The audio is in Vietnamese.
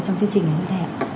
trong chương trình này